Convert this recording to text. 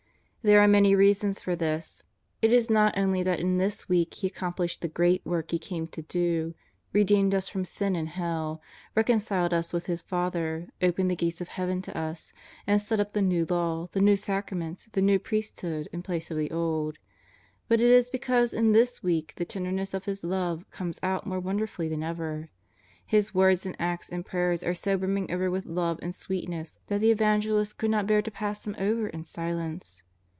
There are many reasons for this. It is not only that in this week He accomplished the great work He came to do; redeemed us from sin and hell; recon ciled us with His Father; opened the gates of Heaven to us, and set up the New Law, the ISTew Sacraments, the 'New Priesthood in place of the Old; but it is because in this week the tenderness of His love comes out more wonderfullv than ever. His words and acts and prayers are so brimming over with love and sweet ness that the Evangelists could not bear to pass them over in silence.